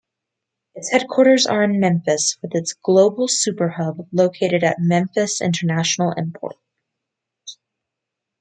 Its headquarters are in Memphis with its global "SuperHub" located at Memphis International Airport.